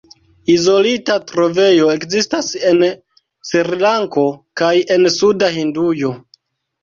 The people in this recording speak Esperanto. Izolita trovejo ekzistas en Srilanko kaj en suda Hindujo.